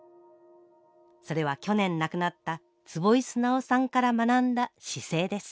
それは去年亡くなった坪井直さんから学んだ姿勢です。